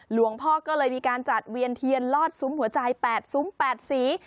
หลวงพ่อก็เลยมีการจัดเวียนเทียนลอดซุ้มหัวใจ๘ซุ้ม๘สี